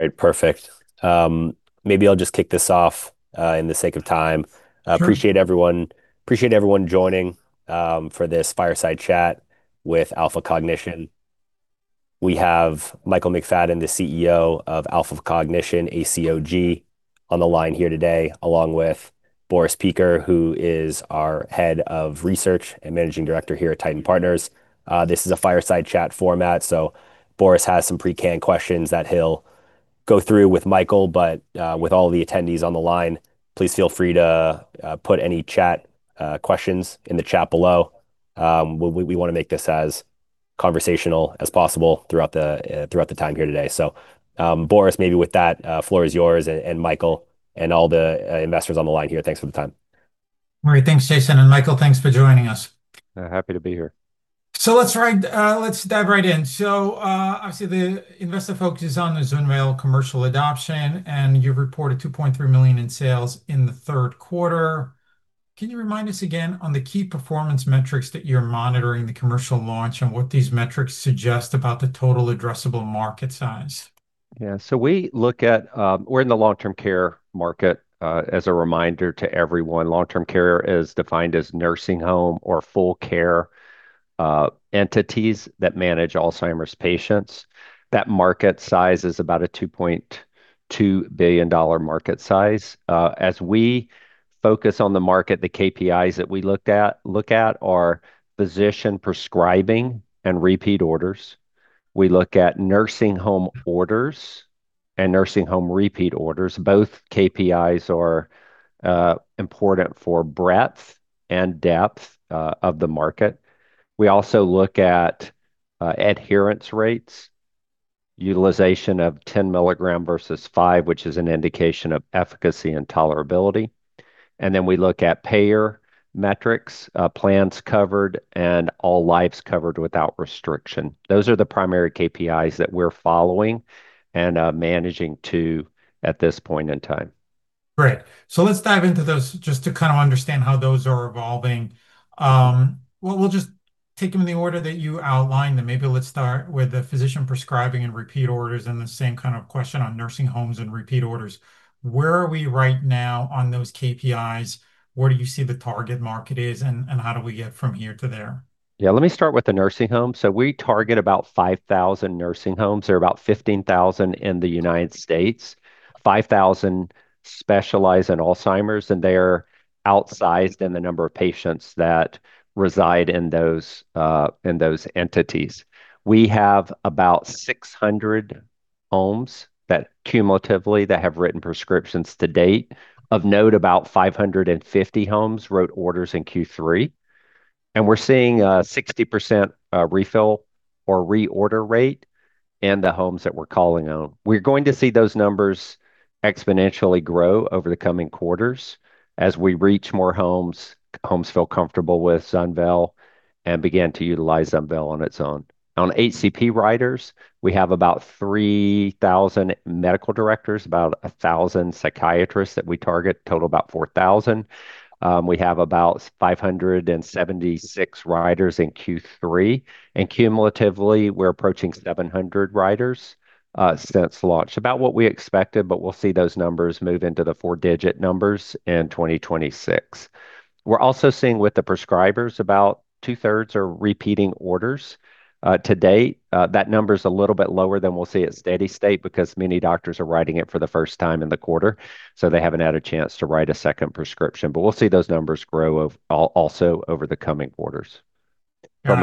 All right, perfect. Maybe I'll just kick this off, in the sake of time. Sure. Appreciate everyone—appreciate everyone joining, for this fireside chat with Alpha Cognition. We have Michael McFadden, the CEO of Alpha Cognition, ACOG, on the line here today, along with Boris Peaker, who is our Head of Research and Managing Director here at Titan Partners. This is a fireside chat format, so Boris has some pre-canned questions that he'll go through with Michael, but, with all the attendees on the line, please feel free to put any questions in the chat below. We want to make this as conversational as possible throughout the time here today. Boris, maybe with that, floor is yours, and Michael, and all the investors on the line here. Thanks for the time. All right, thanks, Jason. Michael, thanks for joining us. Happy to be here. Let's dive right in. Obviously, the investor focus is on the ZUNVEYL commercial adoption, and you've reported $2.3 million in sales in the third quarter. Can you remind us again on the key performance metrics that you're monitoring, the commercial launch, and what these metrics suggest about the total addressable market size? Yeah, so we look at, we're in the long-term care market, as a reminder to everyone. Long-term care is defined as nursing home or full care, entities that manage Alzheimer's patients. That market size is about a $2.2 billion market size. As we focus on the market, the KPIs that we look at are physician prescribing and repeat orders. We look at nursing home orders and nursing home repeat orders. Both KPIs are important for breadth and depth of the market. We also look at adherence rates, utilization of 10 mg versus 5, which is an indication of efficacy and tolerability. Then we look at payer metrics, plans covered, and all lives covered without restriction. Those are the primary KPIs that we're following and managing to at this point in time. Great. Let's dive into those just to kind of understand how those are evolving. We'll just take them in the order that you outlined them. Maybe let's start with the physician prescribing and repeat orders and the same kind of question on nursing homes and repeat orders. Where are we right now on those KPIs? Where do you see the target market is, and how do we get from here to there? Yeah, let me start with the nursing home. We target about 5,000 nursing homes. There are about 15,000 in the United States, 5,000 specialized in Alzheimer's, and they're outsized in the number of patients that reside in those, in those entities. We have about 600 homes that cumulatively have written prescriptions to date. Of note, about 550 homes wrote orders in Q3. We're seeing a 60% refill or reorder rate in the homes that we're calling on. We're going to see those numbers exponentially grow over the coming quarters as we reach more homes, homes feel comfortable with ZUNVEYL, and begin to utilize ZUNVEYL on its own. On HCP writers, we have about 3,000 medical directors, about 1,000 psychiatrists that we target, total about 4,000. We have about 576 writers in Q3, and cumulatively, we're approaching 700 writers since launch. About what we expected, but we'll see those numbers move into the four-digit numbers in 2026. We're also seeing with the prescribers, about 2/3 are repeating orders. To date, that number's a little bit lower than we'll see at steady state because many doctors are writing it for the first time in the quarter, so they haven't had a chance to write a second prescription. We'll see those numbers grow also over the coming quarters. Yeah.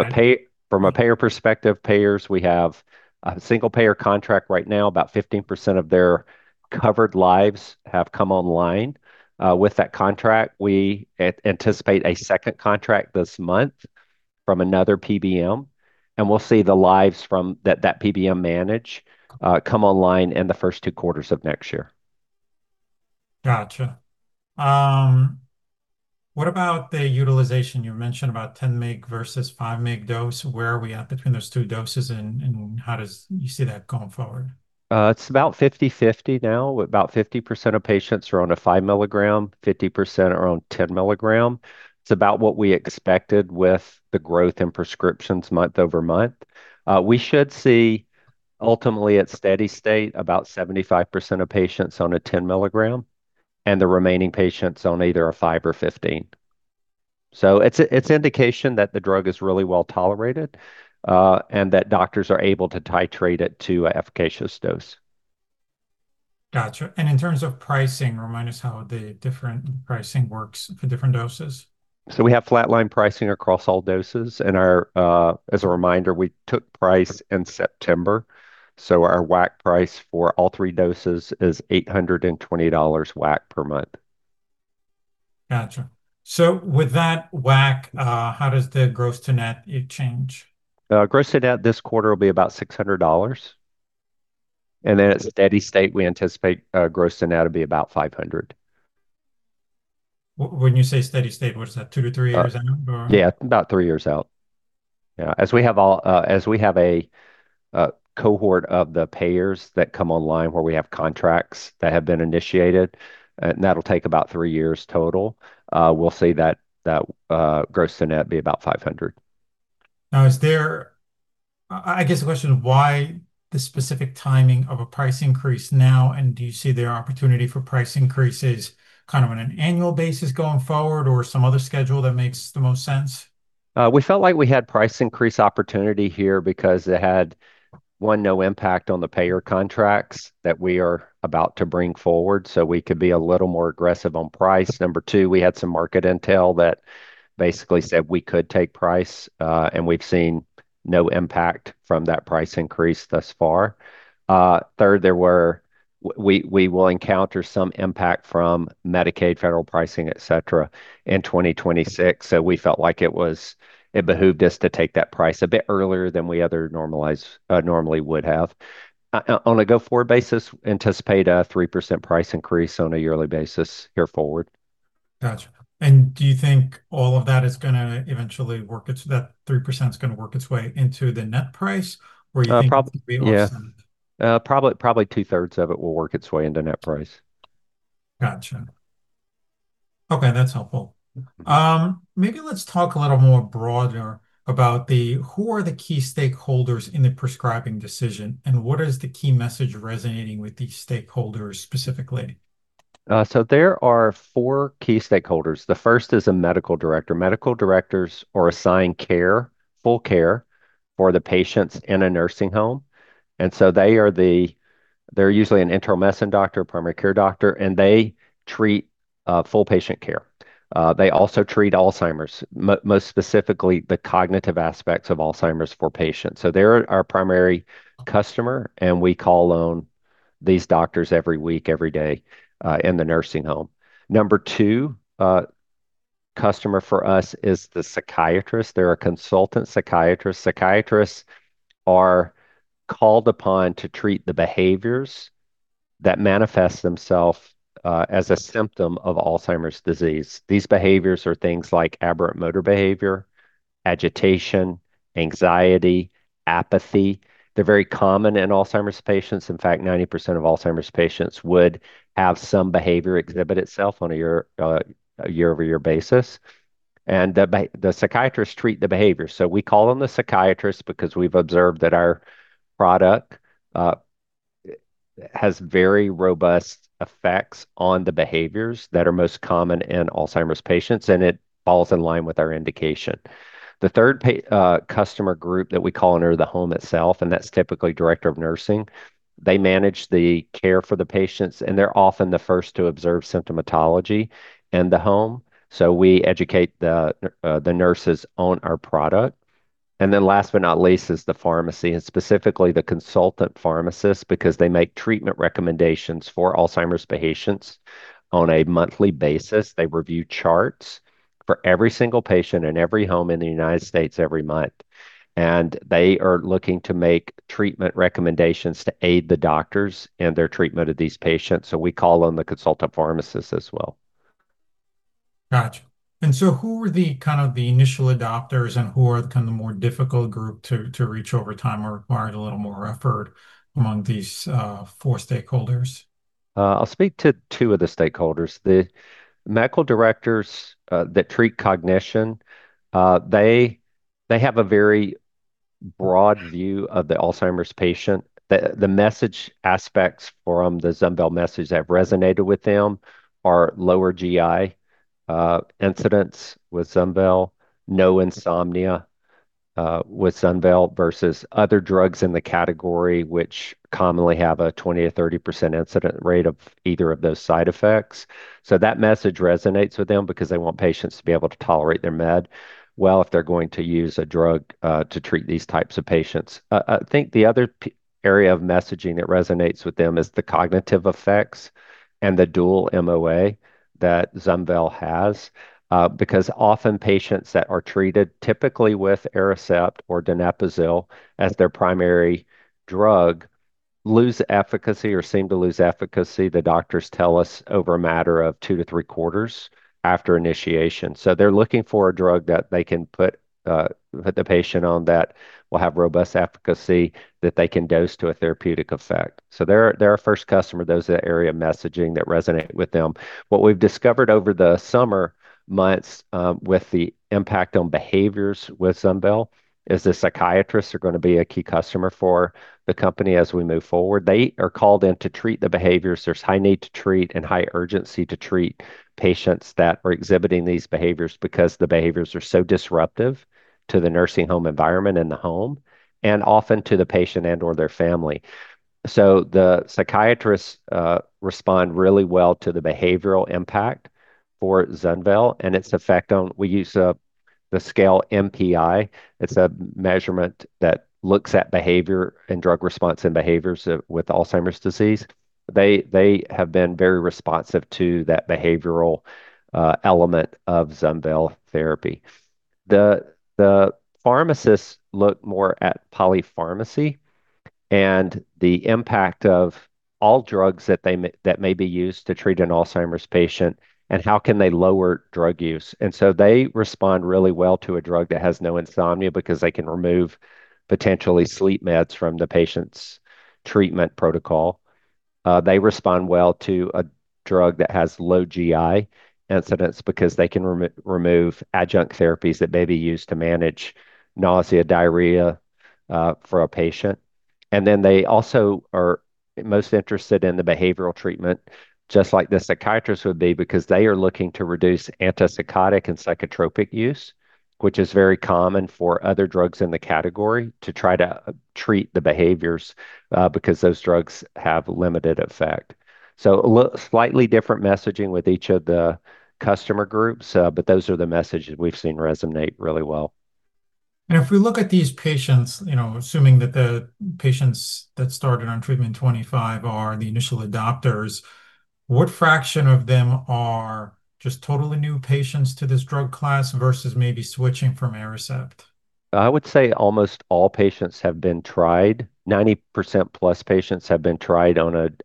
From a payer perspective, payers, we have a single payer contract right now. About 15% of their covered lives have come online. With that contract, we anticipate a second contract this month from another PBM, and we'll see the lives from that, that PBM manage, come online in the first two quarters of next year. Gotcha. What about the utilization? You mentioned about 10 mg versus 5 mg dose. Where are we at between those two doses, and how does you see that going forward? It's about 50/50 now. About 50% of patients are on a 5 mg, 50% are on 10 mg. It's about what we expected with the growth in prescriptions month over month. We should see, ultimately, at steady state, about 75% of patients on a 10 mg, and the remaining patients on either a 5 mg or 15 mg. It's an indication that the drug is really well tolerated, and that doctors are able to titrate it to an efficacious dose. Gotcha. In terms of pricing, remind us how the different pricing works for different doses. We have flatline pricing across all doses, and as a reminder, we took price in September. Our WAC price for all three doses is $820 WAC per month. Gotcha. With that WAC, how does the gross-to-net change? Gross-to-net this quarter will be about $600. And then at steady state, we anticipate gross-to-net to be about $500. When you say steady state, what is that, 2 years-3 years out, or? Yeah, about three years out. Yeah, as we have all, as we have a cohort of the payers that come online where we have contracts that have been initiated, and that'll take about three years total, we'll see that gross-to-net be about $500. Now, is there—I guess the question of why the specific timing of a price increase now, and do you see the opportunity for price increases kind of on an annual basis going forward, or some other schedule that makes the most sense? We felt like we had price increase opportunity here because it had, one, no impact on the payer contracts that we are about to bring forward, so we could be a little more aggressive on price. Number two, we had some market intel that basically said we could take price, and we've seen no impact from that price increase thus far. Third, we will encounter some impact from Medicaid, federal pricing, et cetera, in 2026. So we felt like it behooved us to take that price a bit earlier than we normally would have. On a go-forward basis, anticipate a 3% price increase on a yearly basis here forward. Gotcha. Do you think all of that is going to eventually work its—that 3% is going to work its way into the net price, or you think? Probably, yeah. Yes? Probably, probably 2/3 of it will work its way into net price. Gotcha. Okay, that's helpful. Maybe let's talk a little more broader about the—who are the key stakeholders in the prescribing decision, and what is the key message resonating with these stakeholders specifically? There are four key stakeholders. The first is a Medical Director. Medical Directors are assigned care, full care for the patients in a nursing home. They are usually an internal medicine doctor, primary care doctor, and they treat full patient care. They also treat Alzheimer's, most specifically the cognitive aspects of Alzheimer's for patients. They are our primary customer, and we call on these doctors every week, every day, in the nursing home. Number two, customer for us is the psychiatrist. They are a consultant Psychiatrist. Psychiatrists are called upon to treat the behaviors that manifest themselves as a symptom of Alzheimer's disease. These behaviors are things like aberrant motor behavior, agitation, anxiety, apathy. They are very common in Alzheimer's patients. In fact, 90% of Alzheimer's patients would have some behavior exhibit itself on a year, a year-over-year basis. The Psychiatrists treat the behaviors. We call on the Psychiatrists because we've observed that our product has very robust effects on the behaviors that are most common in Alzheimer's patients, and it falls in line with our indication. The third customer group that we call under the home itself, and that's typically Director of Nursing. They manage the care for the patients, and they're often the first to observe symptomatology in the home. We educate the nurses on our product. Last but not least is the Pharmacy, and specifically the Consultant Pharmacists, because they make treatment recommendations for Alzheimer's patients on a monthly basis. They review charts for every single patient in every home in the United States every month, and they are looking to make treatment recommendations to aid the doctors in their treatment of these patients. We call on the Consultant Pharmacists as well. Gotcha. Who were the kind of the initial adopters, and who are the kind of the more difficult group to reach over time or require a little more effort among these four stakeholders? I'll speak to two of the stakeholders. The Medical Directors that treat cognition, they have a very broad view of the Alzheimer's patient. The message aspects from the ZUNVEYL message that resonated with them are lower GI incidents with ZUNVEYL, no insomnia with ZUNVEYL versus other drugs in the category, which commonly have a 20%-30% incident rate of either of those side effects. That message resonates with them because they want patients to be able to tolerate their med well if they're going to use a drug to treat these types of patients. I think the other area of messaging that resonates with them is the cognitive effects and the dual MOA that ZUNVEYL has, because often patients that are treated typically with Aricept or donepezil as their primary drug lose efficacy or seem to lose efficacy. The doctors tell us over a matter of 2 quarters-3 quarters after initiation. They are looking for a drug that they can put the patient on that will have robust efficacy that they can dose to a therapeutic effect. They are a first customer. Those are the area of messaging that resonate with them. What we've discovered over the summer months, with the impact on behaviors with ZUNVEYL, is the psychiatrists are going to be a key customer for the company as we move forward. They are called in to treat the behaviors. There is high need to treat and high urgency to treat patients that are exhibiting these behaviors because the behaviors are so disruptive to the nursing home environment and the home, and often to the patient and/or their family. The Psychiatrists respond really well to the behavioral impact for ZUNVEYL, and its effect on—we use a, the scale NPI. It's a measurement that looks at behavior and drug response and behaviors with Alzheimer's disease. They have been very responsive to that behavioral element of ZUNVEYL therapy. The Pharmacists look more at polypharmacy and the impact of all drugs that may be used to treat an Alzheimer's patient, and how can they lower drug use. They respond really well to a drug that has no insomnia because they can remove potentially sleep meds from the patient's treatment protocol. They respond well to a drug that has low GI incidents because they can remove adjunct therapies that may be used to manage nausea, diarrhea, for a patient. They also are most interested in the behavioral treatment, just like the psychiatrists would be, because they are looking to reduce antipsychotic and psychotropic use, which is very common for other drugs in the category, to try to treat the behaviors, because those drugs have limited effect. Slightly different messaging with each of the customer groups, but those are the messages we've seen resonate really well. If we look at these patients, you know, assuming that the patients that started on treatment in 2025 are the initial adopters, what fraction of them are just totally new patients to this drug class versus maybe switching from Aricept? I would say almost all patients have been tried. 90%+ patients have been tried on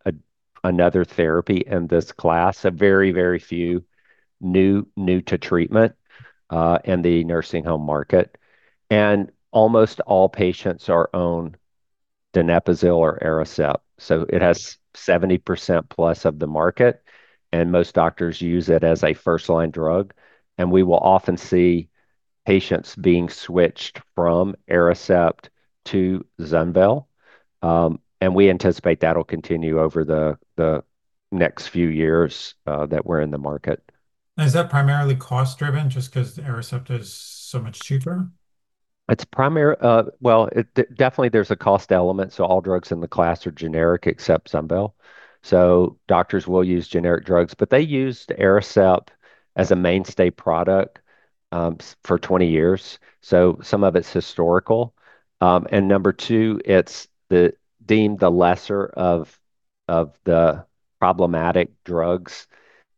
another therapy in this class. Very, very few new to treatment in the nursing home market. And almost all patients are on donepezil or Aricept. It has 70%+ of the market, and most doctors use it as a first-line drug. We will often see patients being switched from Aricept to ZUNVEYL, and we anticipate that'll continue over the next few years that we're in the market. Is that primarily cost-driven just because Aricept is so much cheaper? It's primarily, well, it definitely there's a cost element. All drugs in the class are generic except ZUNVEYL. Doctors will use generic drugs, but they used Aricept as a mainstay product for 20 years. Some of it's historical. Number two, it's deemed the lesser of the problematic drugs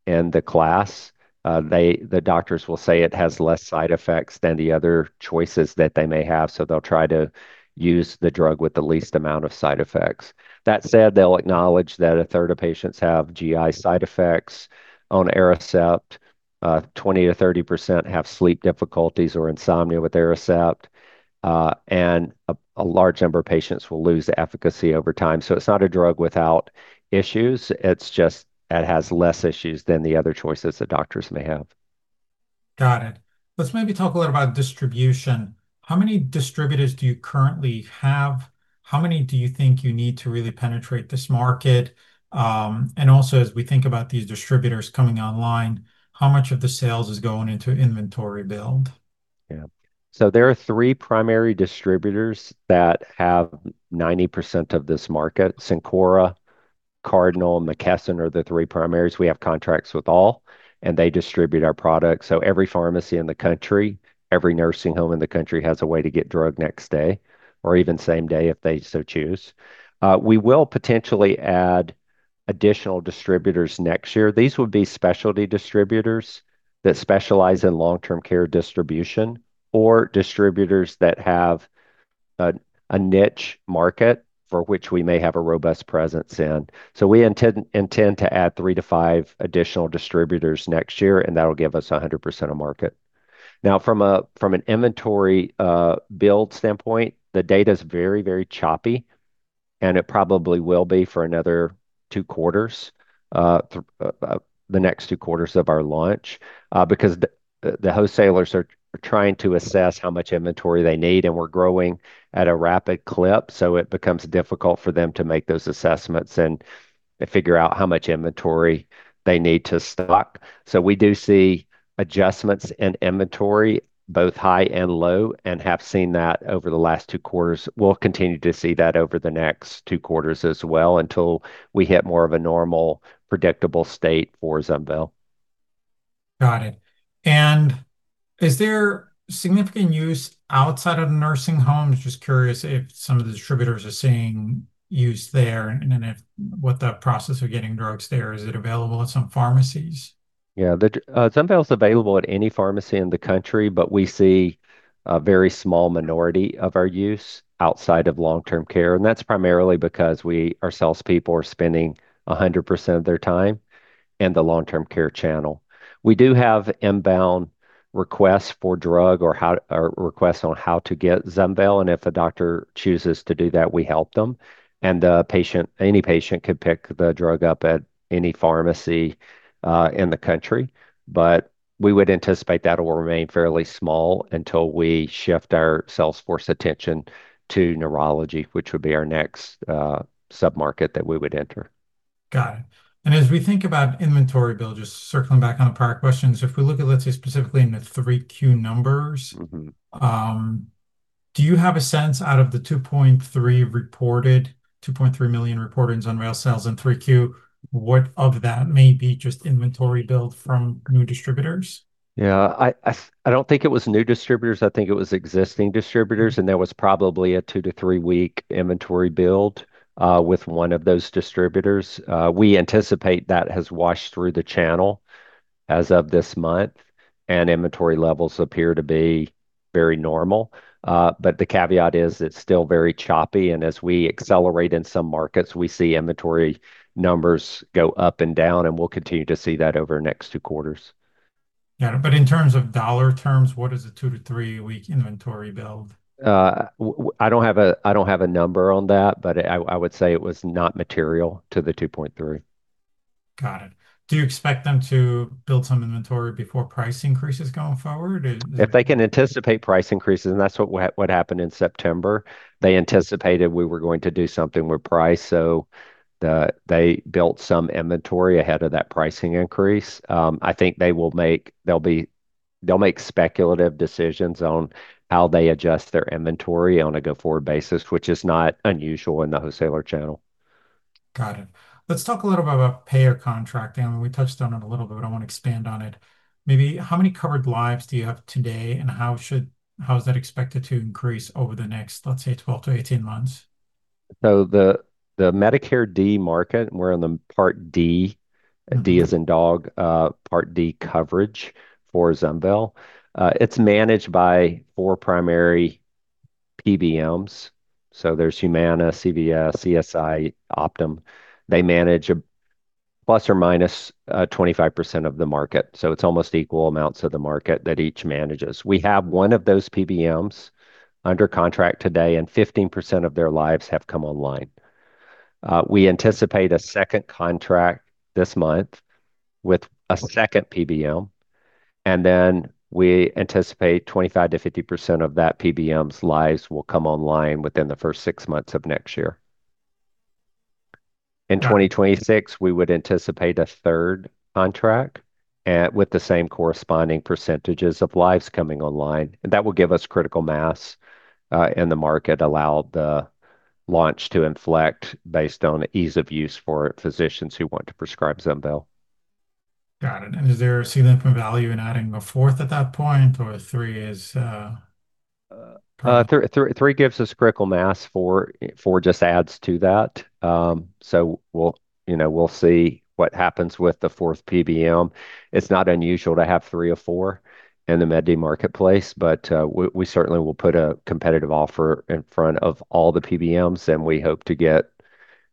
in the class. The doctors will say it has less side effects than the other choices that they may have. They'll try to use the drug with the least amount of side effects. That said, they'll acknowledge that a third of patients have GI side effects on Aricept. 20%-30% have sleep difficulties or insomnia with Aricept. A large number of patients will lose efficacy over time. It's not a drug without issues. It just has less issues than the other choices that doctors may have. Got it. Let's maybe talk a little about distribution. How many distributors do you currently have? How many do you think you need to really penetrate this market? and also, as we think about these distributors coming online, how much of the sales is going into inventory build? Yeah. There are three primary distributors that have 90% of this market: Cencora, Cardinal Health, and McKesson are the three primaries. We have contracts with all, and they distribute our product. Every pharmacy in the country, every nursing home in the country has a way to get drug next day or even same day if they so choose. We will potentially add additional distributors next year. These would be specialty distributors that specialize in long-term care distribution or distributors that have a niche market for which we may have a robust presence in. We intend to add 3-5 additional distributors next year, and that'll give us 100% of market. Now, from an inventory build standpoint, the data is very, very choppy, and it probably will be for another two quarters, the next two quarters of our launch, because the wholesalers are trying to assess how much inventory they need, and we're growing at a rapid clip. It becomes difficult for them to make those assessments and figure out how much inventory they need to stock. We do see adjustments in inventory, both high and low, and have seen that over the last two quarters. We'll continue to see that over the next two quarters as well until we hit more of a normal predictable state for ZUNVEYL. Got it. Is there significant use outside of the nursing homes? Just curious if some of the distributors are seeing use there, and then if what the process of getting drugs there is, is it available at some pharmacies? Yeah, ZUNVEYL is available at any pharmacy in the country, but we see a very small minority of our use outside of long-term care. That is primarily because our salespeople are spending 100% of their time in the long-term care channel. We do have inbound requests for drug or requests on how to get ZUNVEYL. If a doctor chooses to do that, we help them. Any patient could pick the drug up at any pharmacy in the country. We would anticipate that will remain fairly small until we shift our salesforce attention to neurology, which would be our next submarket that we would enter. Got it. As we think about inventory build, just circling back on a prior question, if we look at, let's say, specifically in the 3Q numbers, do you have a sense out of the $2.3 million reported in ZUNVEYL sales in 3Q, what of that may be just inventory build from new distributors? Yeah, I don't think it was new distributors. I think it was existing distributors, and there was probably a 2 week-3 week inventory build, with one of those distributors. We anticipate that has washed through the channel as of this month, and inventory levels appear to be very normal. The caveat is it's still very choppy. As we accelerate in some markets, we see inventory numbers go up and down, and we'll continue to see that over the next two quarters. Got it. But in terms of dollar terms, what is a 2 week-3 week inventory build? I don't have a, I don't have a number on that, but I would say it was not material to the 2.3. Got it. Do you expect them to build some inventory before price increases going forward? If they can anticipate price increases, and that's what happened in September, they anticipated we were going to do something with price. They built some inventory ahead of that pricing increase. I think they will make, they'll be, they'll make speculative decisions on how they adjust their inventory on a go-forward basis, which is not unusual in the wholesaler channel. Got it. Let's talk a little bit about payer contracting. I mean, we touched on it a little bit, but I want to expand on it. Maybe how many covered lives do you have today, and how should, how is that expected to increase over the next, let's say, 12 months-18 months? The Medicare D market, we're in the Part D, D as in dog, Part D coverage for ZUNVEYL. It's managed by four primary PBMs. There's Humana, CVS, CSI, Optum. They manage a ±25% of the market. It's almost equal amounts of the market that each manages. We have one of those PBMs under contract today, and 15% of their lives have come online. We anticipate a second contract this month with a second PBM, and then we anticipate 25%-50% of that PBM's lives will come online within the first six months of next year. In 2026, we would anticipate a third contract, with the same corresponding percentages of lives coming online. That will give us critical mass in the market, allow the launch to inflect based on ease of use for physicians who want to prescribe ZUNVEYL. Got it. Is there a significant value in adding a fourth at that point, or three is? Three, three, three gives us critical mass for, for just adds to that. We'll, you know, we'll see what happens with the fourth PBM. It's not unusual to have three or four in the MedD marketplace, but we certainly will put a competitive offer in front of all the PBMs, and we hope to get,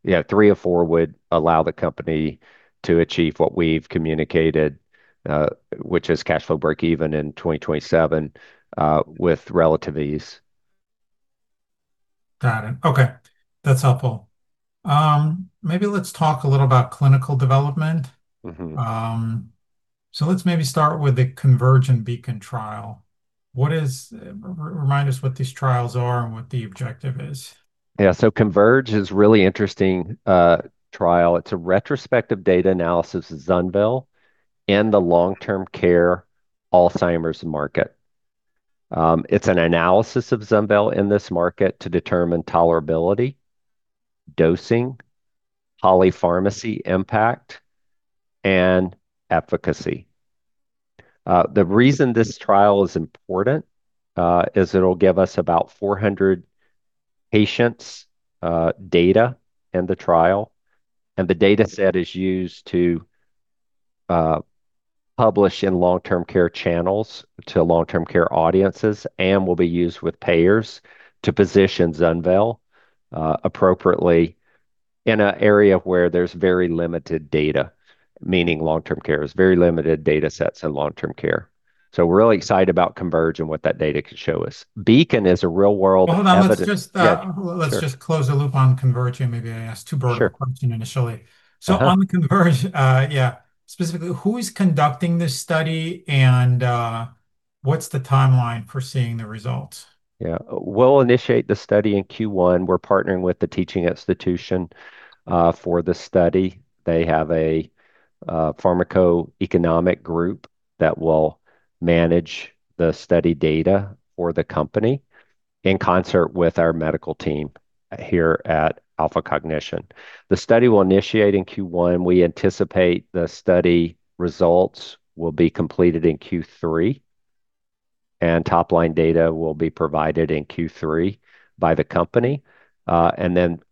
you know, three or four would allow the company to achieve what we've communicated, which is cash flow break even in 2027, with relative ease. Got it. Okay. That's helpful. Maybe let's talk a little about clinical development. Mm-hmm. Let's maybe start with the Converge and Beacon trial. What is, remind us what these trials are and what the objective is? Yeah. Converge is a really interesting trial. It's a retrospective data analysis of ZUNVEYL in the long-term care Alzheimer's market. It's an analysis of ZUNVEYL in this market to determine tolerability, dosing, polypharmacy impact, and efficacy. The reason this trial is important is it'll give us about 400 patients' data in the trial. The data set is used to publish in long-term care channels to long-term care audiences and will be used with payers to position ZUNVEYL appropriately in an area where there's very limited data, meaning long-term care has very limited data sets in long-term care. We're really excited about Converge and what that data can show us. Beacon is a real-world. Hold on. Let's just close the loop on Converge. Maybe I asked too broad a question initially. Sure. On the Converge, yeah, specifically, who is conducting this study and, what's the timeline for seeing the results? Yeah. We'll initiate the study in Q1. We're partnering with the teaching institution for the study. They have a pharmacoeconomic group that will manage the study data for the company in concert with our medical team here at Alpha Cognition. The study will initiate in Q1. We anticipate the study results will be completed in Q3, and top-line data will be provided in Q3 by the company.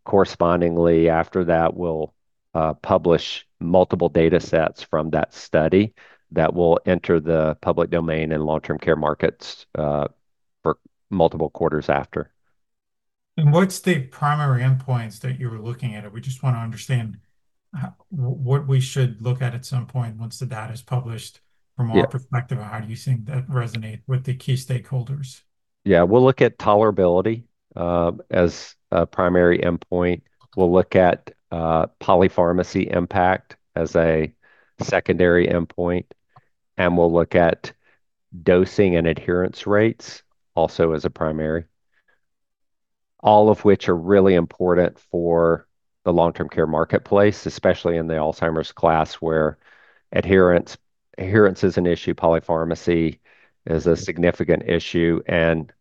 Correspondingly after that, we'll publish multiple data sets from that study that will enter the public domain and long-term care markets for multiple quarters after. What are the primary endpoints that you were looking at? We just want to understand what we should look at at some point once the data is published from our perspective. How do you think that resonates with the key stakeholders? Yeah. We'll look at tolerability, as a primary endpoint. We'll look at polypharmacy impact as a secondary endpoint, and we'll look at dosing and adherence rates also as a primary, all of which are really important for the long-term care marketplace, especially in the Alzheimer's class where adherence, adherence is an issue. Polypharmacy is a significant issue, and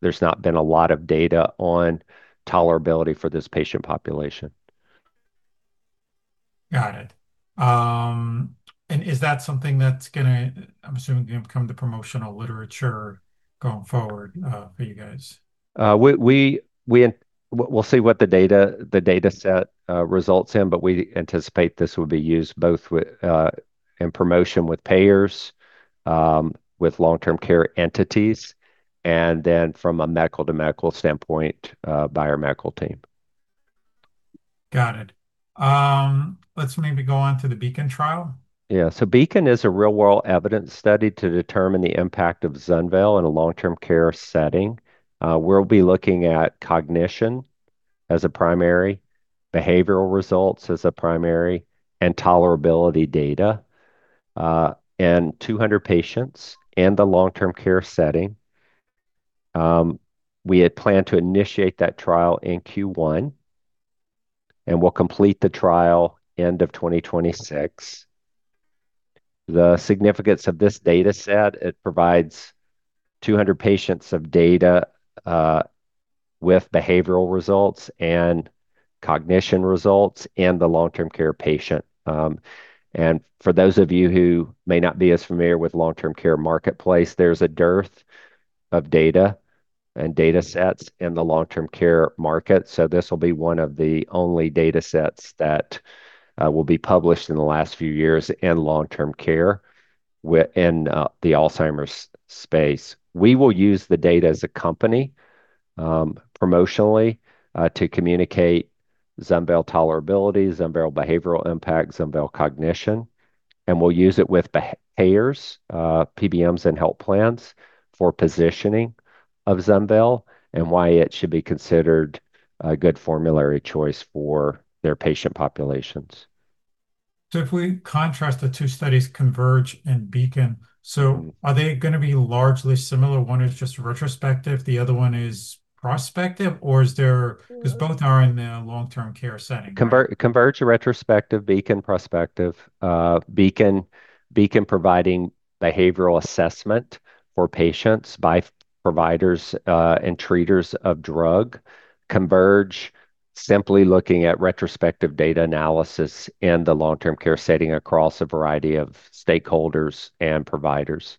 there's not been a lot of data on tolerability for this patient population. Got it. And is that something that's going to, I'm assuming, become the promotional literature going forward, for you guys? We will see what the data set results in, but we anticipate this will be used both with, in promotion with payers, with long-term care entities, and then from a medical-to-medical standpoint, by our medical team. Got it. Let's maybe go on to the Beacon trial. Yeah. Beacon is a real-world evidence study to determine the impact of ZUNVEYL in a long-term care setting. We'll be looking at cognition as a primary, behavioral results as a primary, and tolerability data, in 200 patients in the long-term care setting. We had planned to initiate that trial in Q1, and we'll complete the trial end of 2026. The significance of this data set, it provides 200 patients of data, with behavioral results and cognition results in the long-term care patient. For those of you who may not be as familiar with the long-term care marketplace, there's a dearth of data and data sets in the long-term care market. This will be one of the only data sets that will be published in the last few years in long-term care within the Alzheimer's space. We will use the data as a company, promotionally, to communicate ZUNVEYL tolerability, ZUNVEYL behavioral impact, ZUNVEYL cognition, and we'll use it with payers, PBMs and health plans for positioning of ZUNVEYL and why it should be considered a good formulary choice for their patient populations. If we contrast the two studies, Converge and Beacon, are they going to be largely similar? One is just retrospective, the other one is prospective, or is there, because both are in the long-term care setting? Converge, Converge, retrospective, Beacon, prospective, Beacon, Beacon providing behavioral assessment for patients by providers and treaters of drug. Converge, simply looking at retrospective data analysis in the long-term care setting across a variety of stakeholders and providers.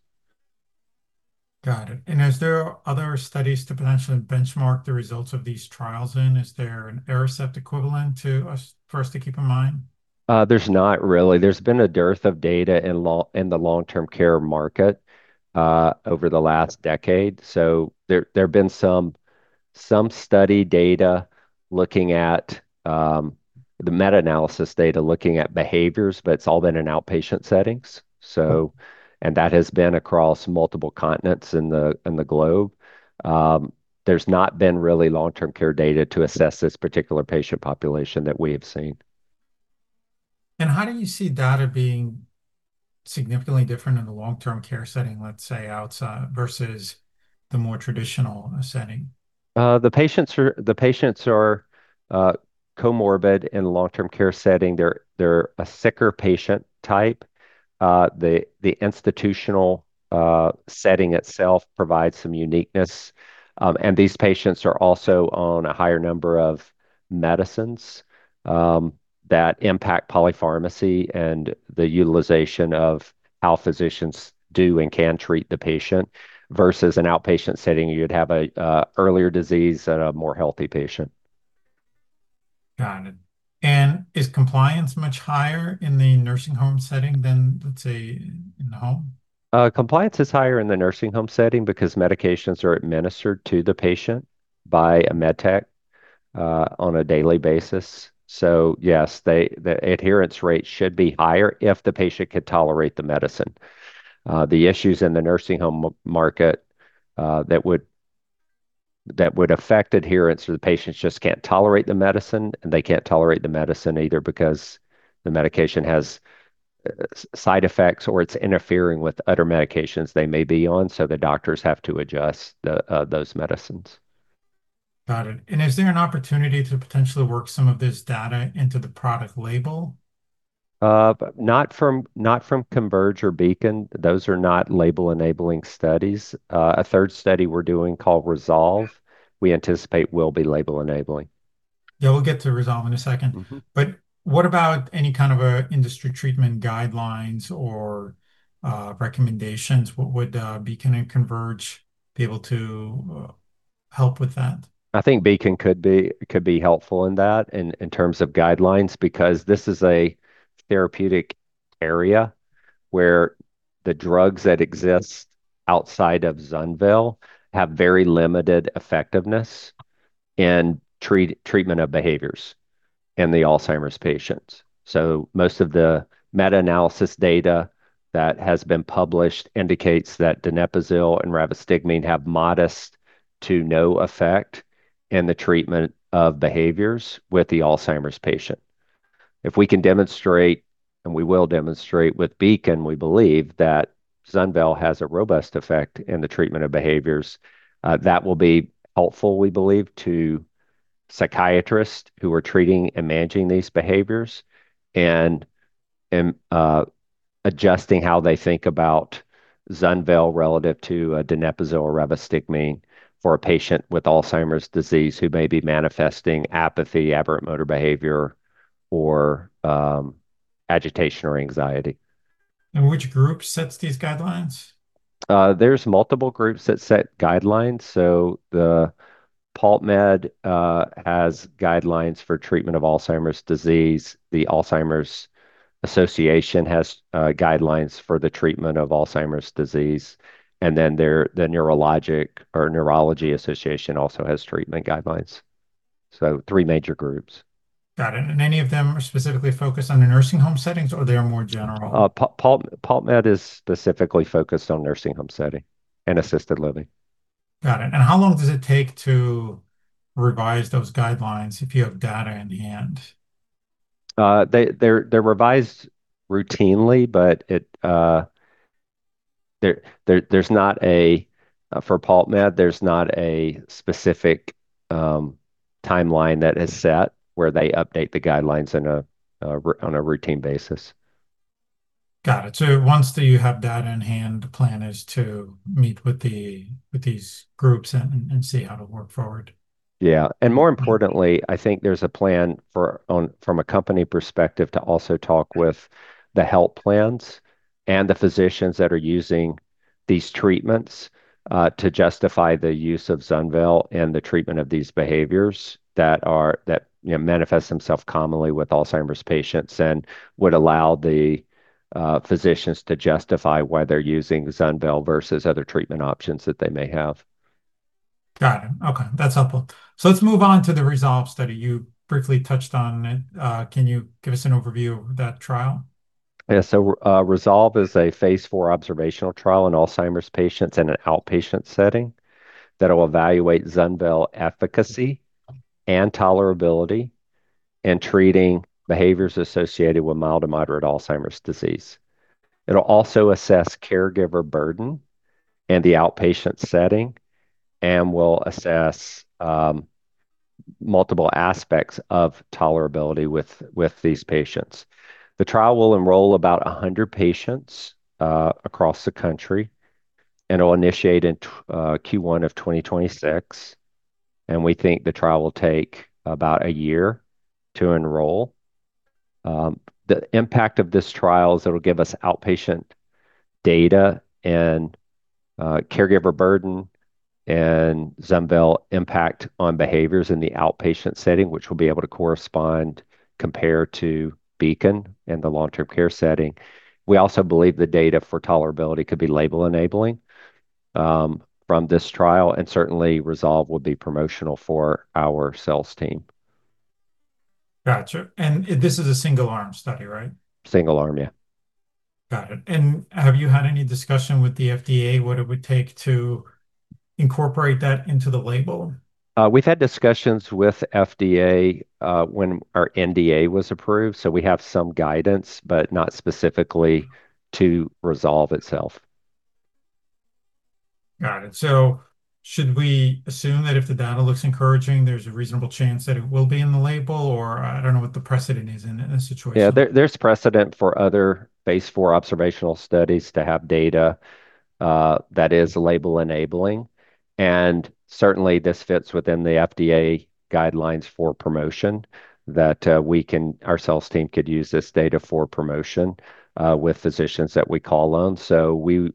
Got it. Are there other studies to potentially benchmark the results of these trials in? Is there an Aricept equivalent to us for us to keep in mind? There's not really. There's been a dearth of data in the long-term care market over the last decade. There've been some study data looking at the meta-analysis data looking at behaviors, but it's all been in outpatient settings. That has been across multiple continents in the globe. There's not been really long-term care data to assess this particular patient population that we have seen. How do you see data being significantly different in the long-term care setting, let's say, outside versus the more traditional setting? The patients are, the patients are comorbid in the long-term care setting. They're, they're a sicker patient type. The institutional setting itself provides some uniqueness. These patients are also on a higher number of medicines that impact polypharmacy and the utilization of how physicians do and can treat the patient versus an outpatient setting. You'd have an earlier disease and a more healthy patient. Got it. Is compliance much higher in the nursing home setting than, let's say, in the home? Compliance is higher in the nursing home setting because medications are administered to the patient by a med tech on a daily basis. Yes, the adherence rate should be higher if the patient could tolerate the medicine. The issues in the nursing home market that would affect adherence are the patients just cannot tolerate the medicine, and they cannot tolerate the medicine either because the medication has side effects or it is interfering with other medications they may be on. The doctors have to adjust those medicines. Got it. Is there an opportunity to potentially work some of this data into the product label? Not from, not from Converge or Beacon. Those are not label-enabling studies. A third study we're doing called Resolve, we anticipate will be label-enabling. Yeah. We'll get to Resolve in a second. What about any kind of industry treatment guidelines or recommendations? What would Beacon and Converge be able to help with that? I think Beacon could be helpful in that, in terms of guidelines, because this is a therapeutic area where the drugs that exist outside of ZUNVEYL have very limited effectiveness in treatment of behaviors in the Alzheimer's patients. Most of the meta-analysis data that has been published indicates that donepezil and rivastigmine have modest to no effect in the treatment of behaviors with the Alzheimer's patient. If we can demonstrate, and we will demonstrate with Beacon, we believe that ZUNVEYL has a robust effect in the treatment of behaviors, that will be helpful, we believe, to psychiatrists who are treating and managing these behaviors and adjusting how they think about ZUNVEYL relative to a donepezil or rivastigmine for a patient with Alzheimer's disease who may be manifesting apathy, aberrant motor behavior, or agitation or anxiety. Which group sets these guidelines? There are multiple groups that set guidelines. The PALTmed has guidelines for treatment of Alzheimer's disease. The Alzheimer's Association has guidelines for the treatment of Alzheimer's disease. There is the Neurology Association, which also has treatment guidelines. Three major groups. Got it. Are any of them specifically focused on the nursing home settings or are they more general? PALTmed is specifically focused on nursing home setting and assisted living. Got it. How long does it take to revise those guidelines if you have data in hand? They're revised routinely, but there is not a, for PALTmed, there is not a specific timeline that is set where they update the guidelines on a routine basis. Got it. Once you have data in hand, the plan is to meet with these groups and see how to work forward. Yeah. More importantly, I think there's a plan from a company perspective to also talk with the health plans and the physicians that are using these treatments, to justify the use of ZUNVEYL in the treatment of these behaviors that, you know, manifest themselves commonly with Alzheimer's patients and would allow the physicians to justify why they're using ZUNVEYL versus other treatment options that they may have. Got it. Okay. That's helpful. Let's move on to the Resolve study you briefly touched on. Can you give us an overview of that trial? Yeah. Resolve is a phase four observational trial in Alzheimer's patients in an outpatient setting that will evaluate ZUNVEYL efficacy and tolerability in treating behaviors associated with mild to moderate Alzheimer's disease. It'll also assess caregiver burden in the outpatient setting and will assess multiple aspects of tolerability with these patients. The trial will enroll about 100 patients across the country and it'll initiate in Q1 of 2026. We think the trial will take about a year to enroll. The impact of this trial is it'll give us outpatient data and caregiver burden and ZUNVEYL impact on behaviors in the outpatient setting, which will be able to correspond compared to Beacon in the long-term care setting. We also believe the data for tolerability could be label-enabling from this trial, and certainly Resolve would be promotional for our sales team. Gotcha. This is a single-arm study, right? Single-arm, yeah. Got it. Have you had any discussion with the FDA what it would take to incorporate that into the label? We've had discussions with FDA, when our NDA was approved. We have some guidance, but not specifically to Resolve itself. Got it. Should we assume that if the data looks encouraging, there's a reasonable chance that it will be in the label or I don't know what the precedent is in this situation? Yeah. There is precedent for other phase IV observational studies to have data that is label-enabling. Certainly this fits within the FDA guidelines for promotion that we can, our sales team could use this data for promotion with physicians that we call on. I would,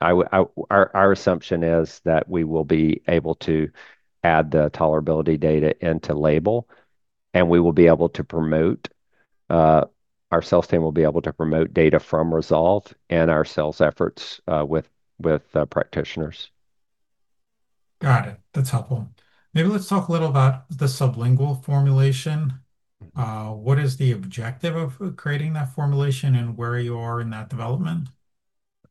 our assumption is that we will be able to add the tolerability data into label and we will be able to promote, our sales team will be able to promote data from Resolve in our sales efforts with practitioners. Got it. That's helpful. Maybe let's talk a little about the sublingual formulation. What is the objective of creating that formulation and where you are in that development?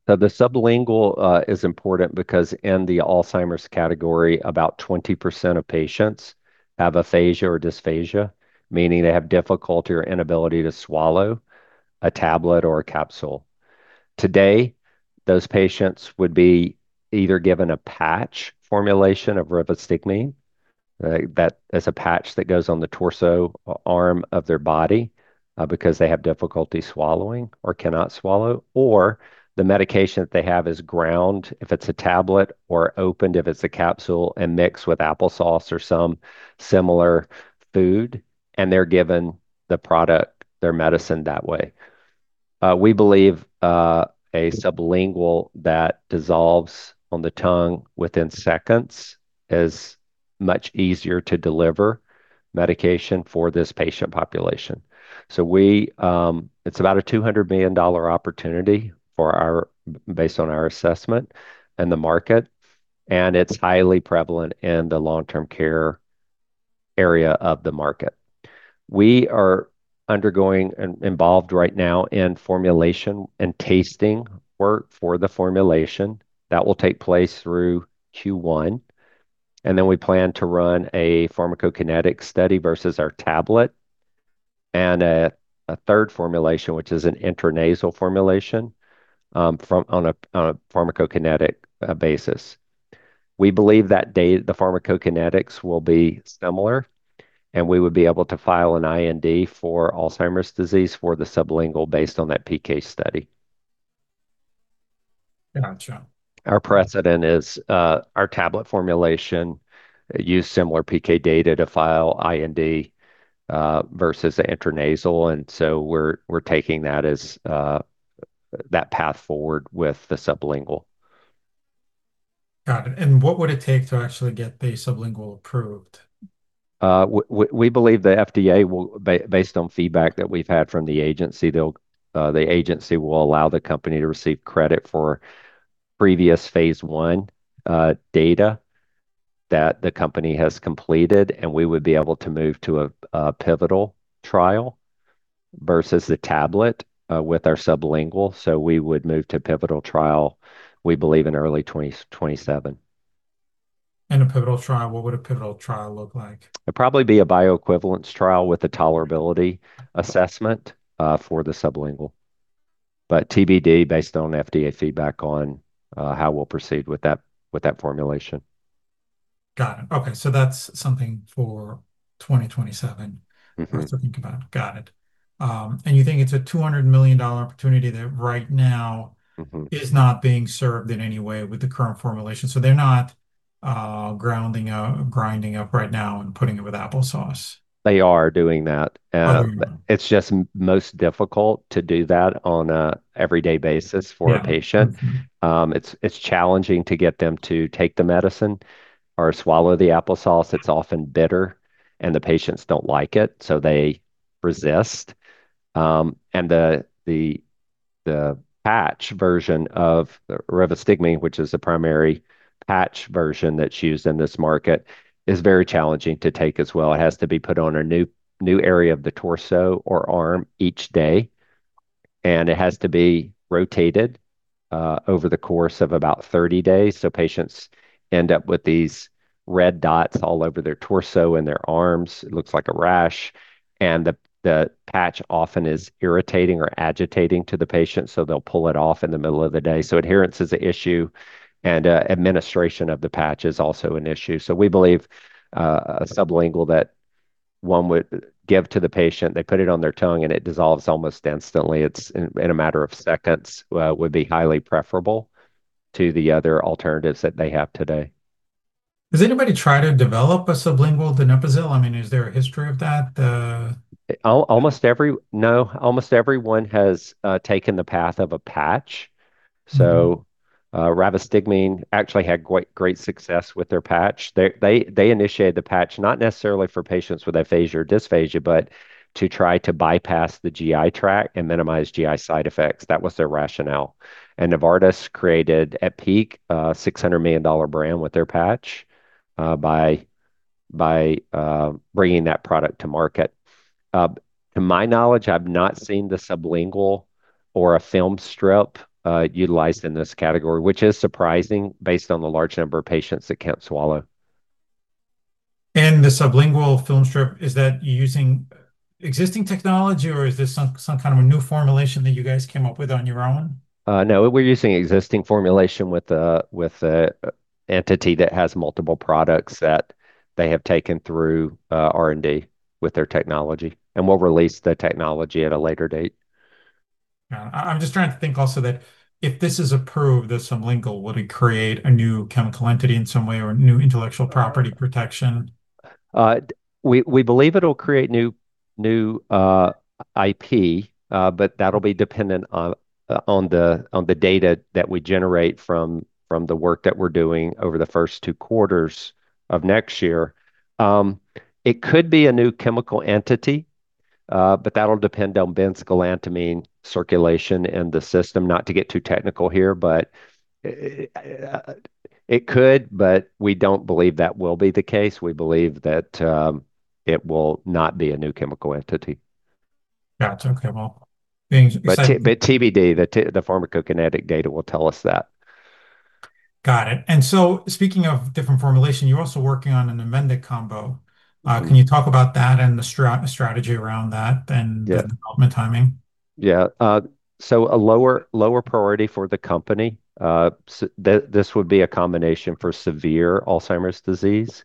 The sublingual is important because in the Alzheimer's category, about 20% of patients have aphasia or dysphagia, meaning they have difficulty or inability to swallow a tablet or a capsule. Today, those patients would be either given a patch formulation of rivastigmine, that is a patch that goes on the torso or arm of their body, because they have difficulty swallowing or cannot swallow, or the medication that they have is ground, if it's a tablet, or opened, if it's a capsule, and mixed with applesauce or some similar food, and they're given the product, their medicine that way. We believe a sublingual that dissolves on the tongue within seconds is much easier to deliver medication for this patient population. It's about a $200 million opportunity based on our assessment and the market, and it's highly prevalent in the long-term care area of the market. We are undergoing and involved right now in formulation and tasting work for the formulation that will take place through Q1. We plan to run a pharmacokinetic study versus our tablet and a third formulation, which is an intranasal formulation, on a pharmacokinetic basis. We believe that data, the pharmacokinetics will be similar and we would be able to file an IND for Alzheimer's disease for the sublingual based on that PK study. Gotcha. Our precedent is, our tablet formulation used similar PK data to file IND, versus the intranasal. We're taking that as that path forward with the sublingual. Got it. What would it take to actually get the sublingual approved? We believe the FDA will, based on feedback that we've had from the agency, the agency will allow the company to receive credit for previous phase I data that the company has completed, and we would be able to move to a pivotal trial versus the tablet, with our sublingual. We would move to pivotal trial, we believe in early 2027. What would a pivotal trial look like? It'd probably be a bioequivalence trial with a tolerability assessment, for the sublingual, but TBD based on FDA feedback on how we'll proceed with that formulation. Got it. Okay. That's something for 2027. Mm-hmm. For us to think about. Got it. You think it's a $200 million opportunity that right now is not being served in any way with the current formulation. They are not grinding up right now and putting it with applesauce. They are doing that. And it's just most difficult to do that on an everyday basis for a patient. It's, it's challenging to get them to take the medicine or swallow the applesauce. It's often bitter and the patients don't like it, so they resist. And the patch version of rivastigmine, which is the primary patch version that's used in this market, is very challenging to take as well. It has to be put on a new, new area of the torso or arm each day, and it has to be rotated over the course of about 30 days. Patients end up with these red dots all over their torso and their arms. It looks like a rash, and the patch often is irritating or agitating to the patient, so they'll pull it off in the middle of the day. Adherence is an issue, and administration of the patch is also an issue. We believe a sublingual that one would give to the patient, they put it on their tongue and it dissolves almost instantly, in a matter of seconds, would be highly preferable to the other alternatives that they have today. Has anybody tried to develop a sublingual donepezil? I mean, is there a history of that? Almost everyone has taken the path of a patch. Rivastigmine actually had great, great success with their patch. They initiated the patch not necessarily for patients with aphasia or dysphagia, but to try to bypass the GI tract and minimize GI side effects. That was their rationale. Novartis created, at peak, a $600 million brand with their patch by bringing that product to market. To my knowledge, I've not seen the sublingual or a film strip utilized in this category, which is surprising based on the large number of patients that can't swallow. The sublingual film strip, is that using existing technology or is this some, some kind of a new formulation that you guys came up with on your own? No, we're using existing formulation with a, with a entity that has multiple products that they have taken through R&D with their technology. And we'll release the technology at a later date. Got it. I'm just trying to think also that if this is approved, the sublingual would create a new chemical entity in some way or new intellectual property protection? We believe it'll create new IP, but that'll be dependent on the data that we generate from the work that we're doing over the first two quarters of next year. It could be a new chemical entity, but that'll depend on benzgalantamine circulation in the system. Not to get too technical here, but it could, but we don't believe that will be the case. We believe that it will not be a new chemical entity. Gotcha. Okay. Things. TBD, the pharmacokinetic data will tell us that. Got it. Speaking of different formulation, you're also working on a Namenda combo. Can you talk about that and the strategy around that and the development timing? Yeah. A lower, lower priority for the company, this would be a combination for severe Alzheimer's disease.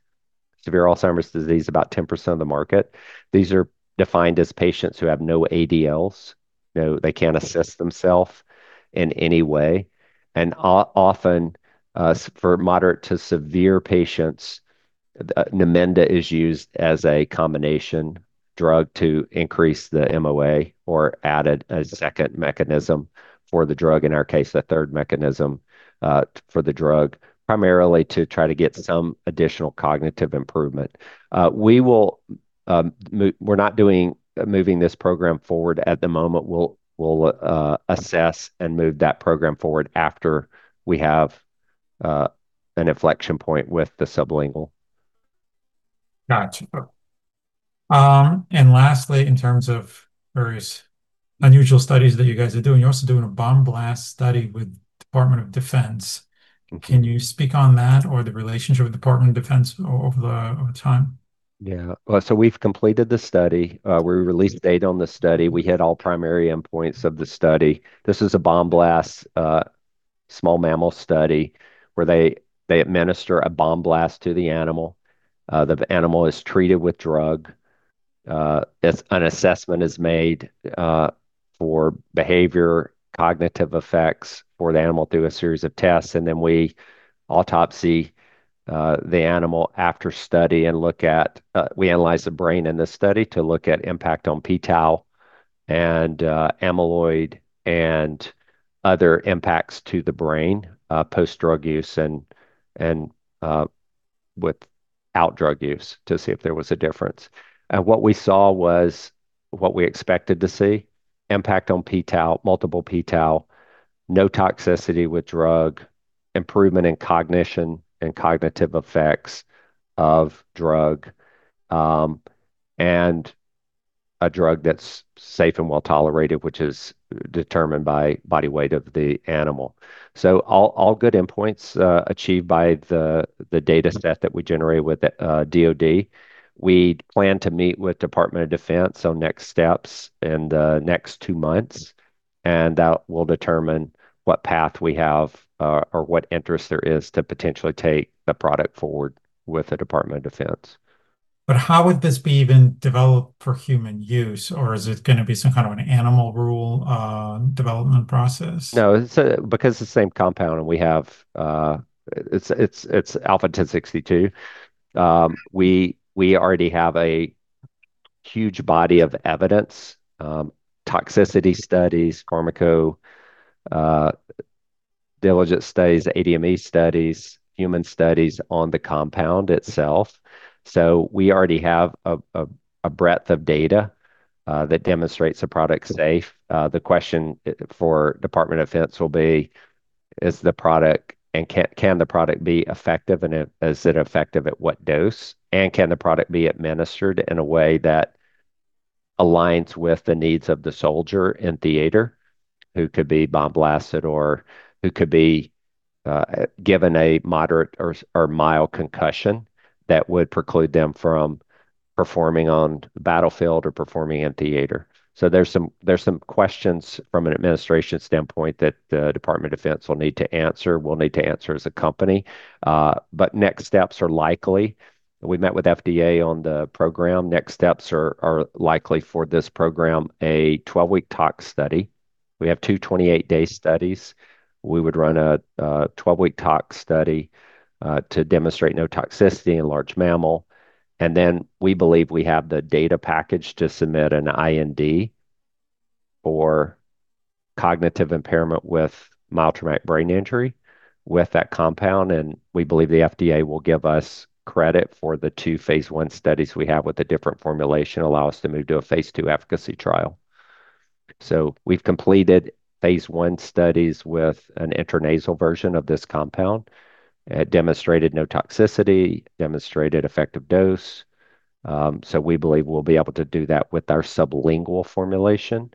Severe Alzheimer's disease, about 10% of the market. These are defined as patients who have no ADLs, you know, they can't assist themselves in any way. And often, for moderate to severe patients, Namenda is used as a combination drug to increase the MOA or add a second mechanism for the drug, in our case, a third mechanism, for the drug, primarily to try to get some additional cognitive improvement. We will, we're not moving this program forward at the moment. We'll assess and move that program forward after we have an inflection point with the sublingual. Gotcha. And lastly, in terms of various unusual studies that you guys are doing, you're also doing a bomb blast study with the Department of Defense. Can you speak on that or the relationship with the Department of Defense over time? Yeah. We've completed the study. We released data on the study. We hit all primary endpoints of the study. This is a bomb blast, small mammal study where they administer a bomb blast to the animal. The animal is treated with drug. An assessment is made for behavior, cognitive effects for the animal through a series of tests. Then we autopsy the animal after study and look at, we analyze the brain in the study to look at impact on p-Tau and amyloid and other impacts to the brain post-drug use and without drug use to see if there was a difference. What we saw was what we expected to see: impact on p-Tau, multiple p-Tau, no toxicity with drug, improvement in cognition and cognitive effects of drug, and a drug that's safe and well tolerated, which is determined by body weight of the animal. All good endpoints, achieved by the data set that we generated with DOD. We plan to meet with the Department of Defense on next steps in the next two months, and that will determine what path we have, or what interest there is to potentially take the product forward with the Department of Defense. How would this be even developed for human use? Or is it going to be some kind of an animal rule, development process? No, it's because it's the same compound and we have, it's, it's, it's Alpha-1062. We already have a huge body of evidence, toxicity studies, pharmacodiligence studies, ADME studies, human studies on the compound itself. So we already have a breadth of data that demonstrates a product's safe. The question for the Department of Defense will be, is the product and can the product be effective and is it effective at what dose? And can the product be administered in a way that aligns with the needs of the soldier in theater who could be bomb blasted or who could be given a moderate or mild concussion that would preclude them from performing on the battlefield or performing in theater. There are some questions from an administration standpoint that the Department of Defense will need to answer, will need to answer as a company. Next steps are likely. We met with FDA on the program. Next steps are likely for this program, a 12-week tox study. We have two 28-day studies. We would run a 12-week tox study to demonstrate no toxicity in large mammal. We believe we have the data package to submit an IND for cognitive impairment with mild traumatic brain injury with that compound. We believe the FDA will give us credit for the two phase one studies we have with a different formulation, allow us to move to a phase two efficacy trial. We have completed phase one studies with an intranasal version of this compound. It demonstrated no toxicity, demonstrated effective dose. We believe we'll be able to do that with our sublingual formulation,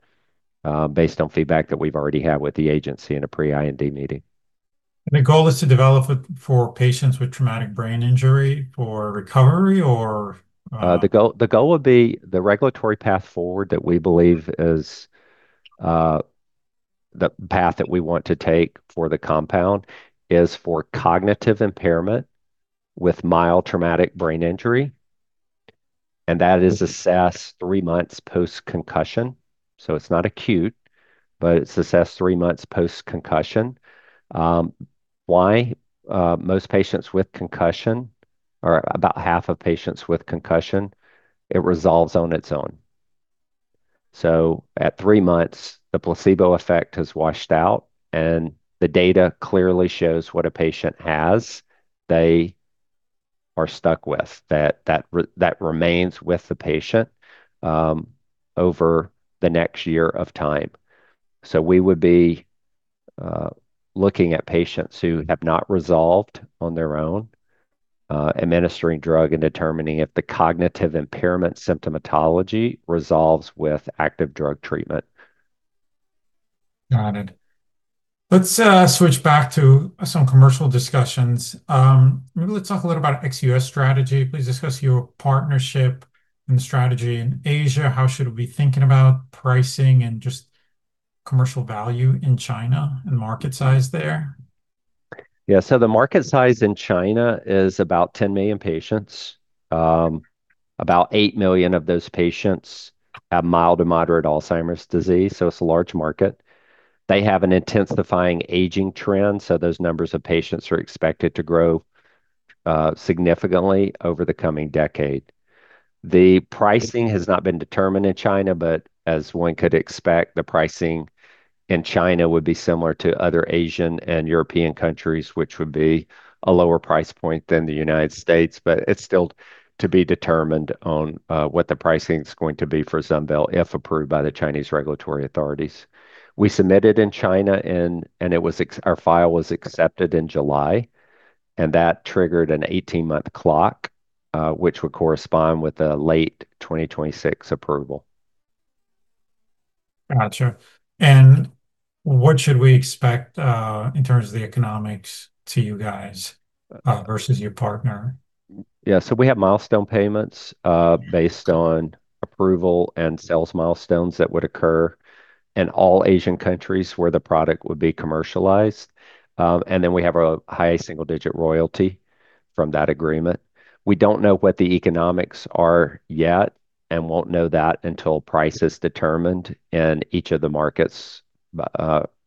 based on feedback that we've already had with the agency in a pre-IND meeting. The goal is to develop it for patients with traumatic brain injury for recovery or? The goal, the goal would be the regulatory path forward that we believe is, the path that we want to take for the compound is for cognitive impairment with mild traumatic brain injury. That is assessed three months post-concussion. It is not acute, but it is assessed three months post-concussion. Most patients with concussion, or about half of patients with concussion, it resolves on its own. At three months, the placebo effect has washed out and the data clearly shows what a patient has, they are stuck with that, that remains with the patient over the next year of time. We would be looking at patients who have not resolved on their own, administering drug and determining if the cognitive impairment symptomatology resolves with active drug treatment. Got it. Let's switch back to some commercial discussions. Maybe let's talk a little bit about XUS strategy. Please discuss your partnership and the strategy in Asia. How should we be thinking about pricing and just commercial value in China and market size there? Yeah. The market size in China is about 10 million patients. About 8 million of those patients have mild to moderate Alzheimer's disease. It is a large market. They have an intensifying aging trend. Those numbers of patients are expected to grow significantly over the coming decade. The pricing has not been determined in China, but as one could expect, the pricing in China would be similar to other Asian and European countries, which would be a lower price point than the United States, but it is still to be determined on what the pricing is going to be for ZUNVEYL if approved by the Chinese regulatory authorities. We submitted in China and our file was accepted in July and that triggered an 18-month clock, which would correspond with a late 2026 approval. Gotcha. What should we expect, in terms of the economics to you guys, versus your partner? Yeah. We have milestone payments, based on approval and sales milestones that would occur in all Asian countries where the product would be commercialized. Then we have a high single-digit royalty from that agreement. We do not know what the economics are yet and will not know that until price is determined in each of the markets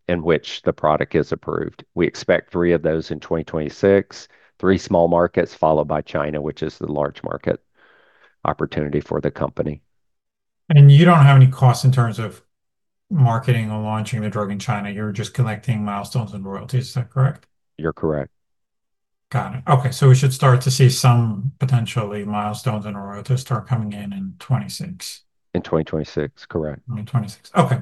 in which the product is approved. We expect three of those in 2026, three small markets followed by China, which is the large market opportunity for the company. You do not have any costs in terms of marketing or launching the drug in China. You are just collecting milestones and royalties. Is that correct? You're correct. Got it. Okay. We should start to see some potentially milestones and royalties start coming in in 2026. In 2026. Correct. In 2026. Okay.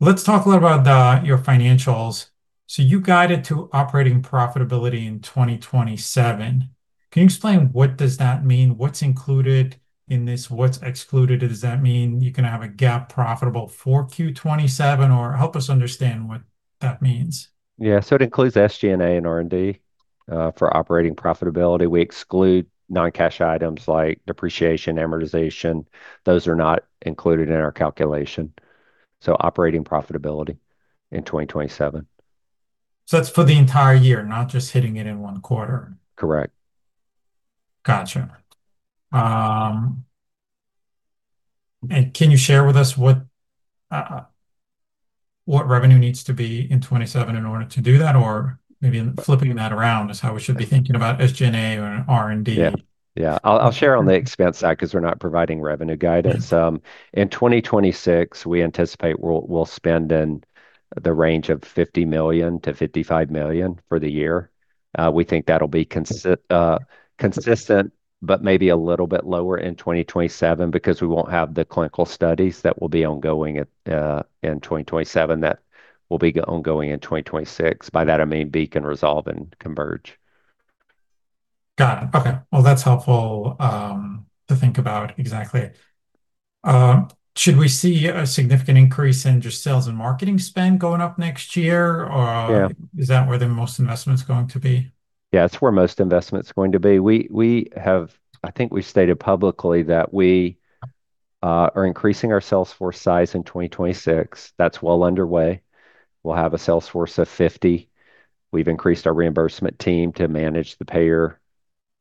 Let's talk a little about your financials. You guided to operating profitability in 2027. Can you explain what does that mean? What's included in this? What's excluded? Does that mean you can have a GAAP profitable for Q2 2027 or help us understand what that means? Yeah. So it includes SG&A and R&D, for operating profitability. We exclude non-cash items like depreciation, amortization. Those are not included in our calculation. So operating profitability in 2027. That's for the entire year, not just hitting it in one quarter. Correct. Gotcha. Can you share with us what, what revenue needs to be in 2027 in order to do that? Or maybe flipping that around is how we should be thinking about SG&A or R&D. Yeah. Yeah. I'll share on the expense side because we're not providing revenue guidance. In 2026, we anticipate we'll spend in the range of $50 million-$55 million for the year. We think that'll be consistent, consistent, but maybe a little bit lower in 2027 because we won't have the clinical studies that will be ongoing at, in 2027 that will be ongoing in 2026. By that, I mean Beacon, Resolve, and Converge. Got it. Okay. That's helpful, to think about exactly. Should we see a significant increase in just sales and marketing spend going up next year or is that where the most investment's going to be? Yeah. That's where most investment's going to be. We have, I think we stated publicly that we are increasing our sales force size in 2026. That's well underway. We'll have a sales force of 50. We've increased our reimbursement team to manage the payer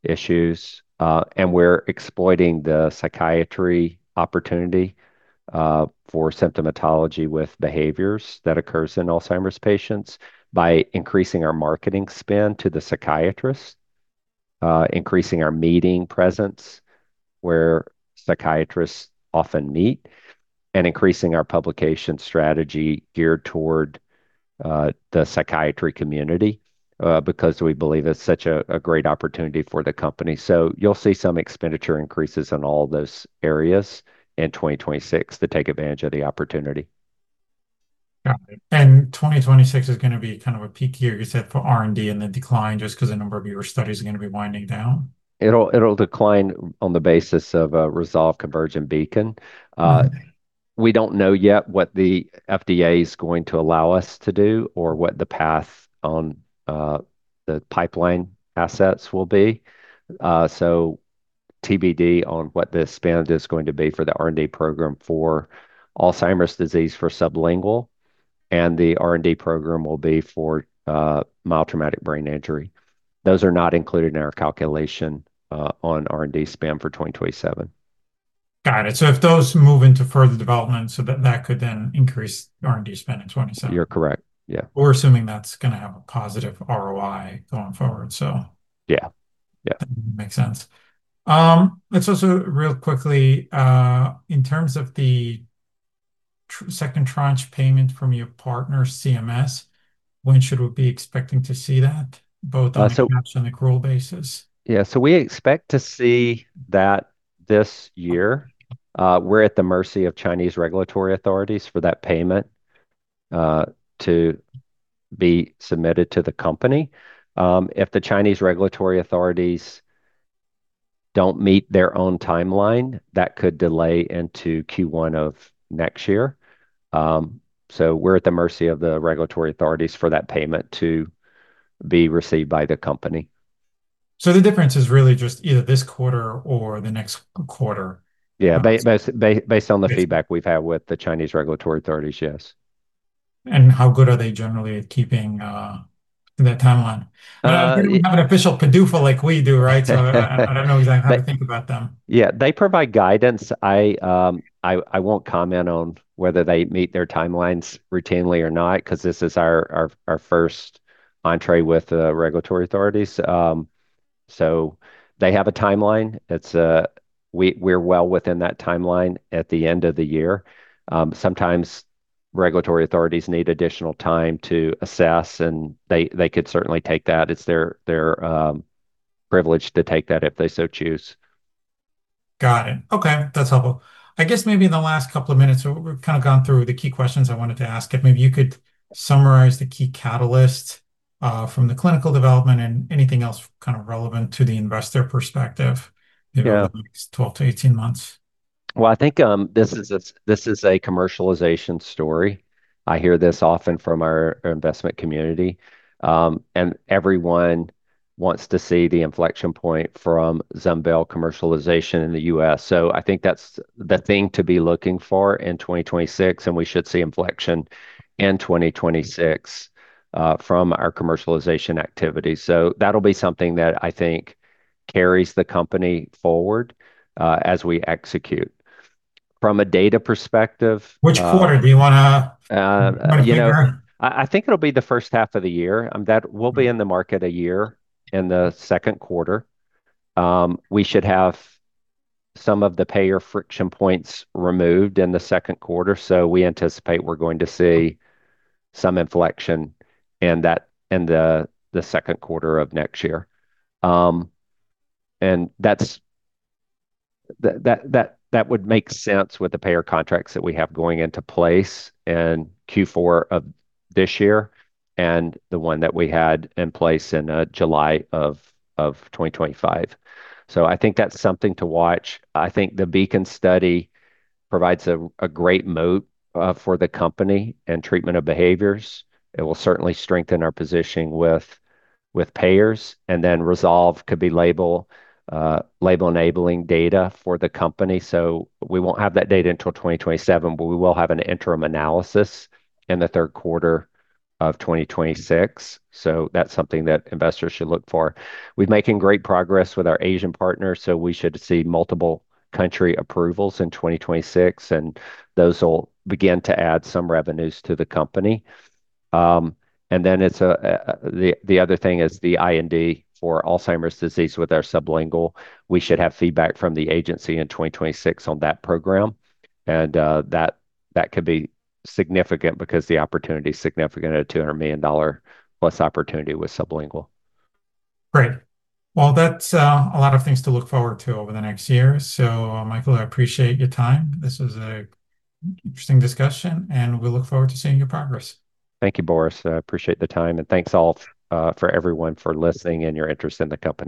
issues, and we're exploiting the psychiatry opportunity for symptomatology with behaviors that occurs in Alzheimer's patients by increasing our marketing spend to the psychiatrist, increasing our meeting presence where psychiatrists often meet, and increasing our publication strategy geared toward the psychiatry community, because we believe it's such a great opportunity for the company. You'll see some expenditure increases in all those areas in 2026 to take advantage of the opportunity. Got it. 2026 is going to be kind of a peak year, you said, for R&D and the decline just because the number of your studies is going to be winding down? It'll decline on the basis of a Resolve, Converge, and Beacon. We don't know yet what the FDA is going to allow us to do or what the path on the pipeline assets will be. TBD on what the spend is going to be for the R&D program for Alzheimer's disease for sublingual, and the R&D program will be for mild traumatic brain injury. Those are not included in our calculation on R&D spend for 2027. Got it. If those move into further development, that could then increase R&D spend in 2027. You're correct. Yeah. We're assuming that's going to have a positive ROI going forward. Yeah. Yeah. Makes sense. Let's also real quickly, in terms of the second tranche payment from your partner CMS, when should we be expecting to see that? Both on a cash and accrual basis. Yeah. We expect to see that this year. We're at the mercy of Chinese regulatory authorities for that payment to be submitted to the company. If the Chinese regulatory authorities don't meet their own timeline, that could delay into Q1 of next year. We're at the mercy of the regulatory authorities for that payment to be received by the company. The difference is really just either this quarter or the next quarter. Yeah. Based on the feedback we've had with the Chinese regulatory authorities, yes. How good are they generally at keeping that timeline? You have an official PDUFA like we do, right? I do not know exactly how to think about them. Yeah. They provide guidance. I won't comment on whether they meet their timelines routinely or not because this is our first entree with the regulatory authorities. They have a timeline. We're well within that timeline at the end of the year. Sometimes regulatory authorities need additional time to assess and they could certainly take that. It's their privilege to take that if they so choose. Got it. Okay. That's helpful. I guess maybe in the last couple of minutes, we've kind of gone through the key questions I wanted to ask. If maybe you could summarize the key catalysts, from the clinical development and anything else kind of relevant to the investor perspective in the next 12 months-18 months? I think this is a commercialization story. I hear this often from our investment community, and everyone wants to see the inflection point from ZUNVEYL commercialization in the U.S. I think that's the thing to be looking for in 2026, and we should see inflection in 2026 from our commercialization activity. That will be something that I think carries the company forward as we execute from a data perspective. Which quarter do you want to? Yeah, I think it'll be the first half of the year that we'll be in the market a year in the second quarter. We should have some of the payer friction points removed in the second quarter. We anticipate we're going to see some inflection in that, in the second quarter of next year. That would make sense with the payer contracts that we have going into place in Q4 of this year and the one that we had in place in July of 2025. I think that's something to watch. I think the Beacon study provides a great moat for the company and treatment of behaviors. It will certainly strengthen our position with payers and then Resolve could be label enabling data for the company. We won't have that data until 2027, but we will have an interim analysis in the third quarter of 2026. That's something that investors should look for. We've been making great progress with our Asian partners, so we should see multiple country approvals in 2026, and those will begin to add some revenues to the company. The other thing is the IND for Alzheimer's disease with our sublingual. We should have feedback from the agency in 2026 on that program. That could be significant because the opportunity is significant at a $200 million+ opportunity with sublingual. Great. That is a lot of things to look forward to over the next year. Michael, I appreciate your time. This was an interesting discussion, and we look forward to seeing your progress. Thank you, Boris. I appreciate the time, and thanks all for everyone for listening and your interest in the company.